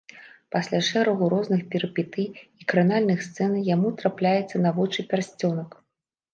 Пасля шэрагу розных перыпетый і кранальных сцэн яму трапляецца на вочы пярсцёнак.